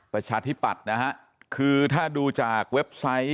ประชาธิปัตย์นะฮะคือถ้าดูจากเว็บไซต์